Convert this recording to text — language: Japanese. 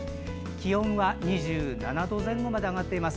気温は２７度前後まで上がっています。